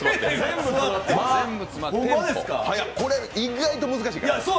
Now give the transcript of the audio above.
これ意外と難しいから。